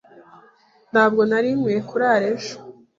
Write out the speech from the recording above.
Ntabwo nari nkwiye kurara ejo.